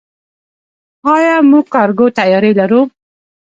آیا موږ کارګو طیارې لرو؟